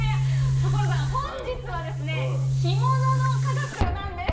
所さん本日は干物の科学なんです。